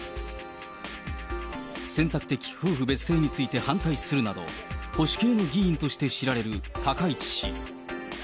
選択的夫婦別姓について反対するなど、保守系の議員として知られる高市氏。